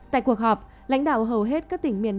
tại cuộc họp lãnh đạo hầu hết các tỉnh miền